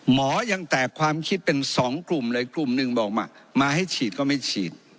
หมอยังแตกความคิดเป็นสองกลุ่มเลยกลุ่มหนึ่งบอกมามาให้ฉีดก็ไม่ฉีด